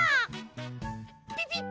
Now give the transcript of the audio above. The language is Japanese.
ピピッ！